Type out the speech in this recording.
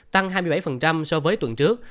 tăng hai mươi bảy so với tuần trước